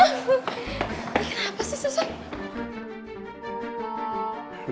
bikin apa sih susan